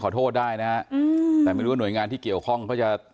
โทษได้นะฮะแต่ไม่รู้ว่าหน่วยงานที่เกี่ยวข้องเขาจะ